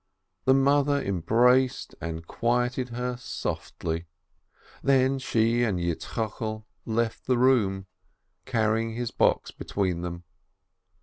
The mother embraced and quieted her softly, then she and Yitzchokel left the room, carrying his box between them.